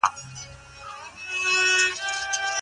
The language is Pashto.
پښتورګي د بدن د فاضله موادو د پاکولو لپاره حیاتي غړي دي.